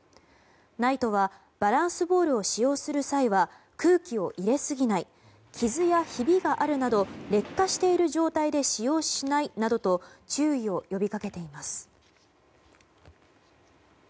ＮＩＴＥはバランスボールを使用する際は空気を入れすぎない傷やひびがあるなど劣化している状態で使用しないなどと注意を呼び掛けています。